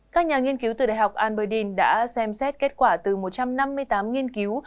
các nhà nghiên cứu từ đại học alberdin đã xem xét kết quả từ một trăm năm mươi tám nghiên cứu